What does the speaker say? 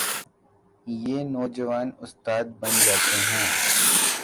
یہ نوجوان استاد بن جاتے ہیں۔